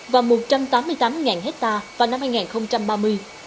và một trăm tám mươi tám hectare vào năm hai nghìn hai mươi năm